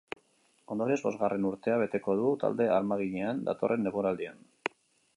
Ondorioz, bosgarren urtea beteko du talde armaginean, datorren denboraldian.